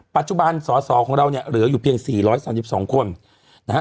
สอสอของเราเนี่ยเหลืออยู่เพียง๔๓๒คนนะฮะ